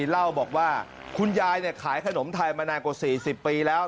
เล่าบอกว่าคุณยายขายขนมไทยมานานกว่า๔๐ปีแล้ว